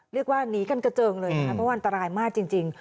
เรียกว่าหนีกันกระเจิงเลยนะคะเพราะว่าอันตรายมากจริง